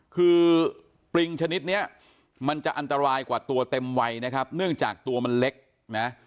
คือปริงชนิดเนี้ยมันจะอันตรายกว่าตัวเต็มวัยนะครับเนื่องจากตัวมันเล็กนะ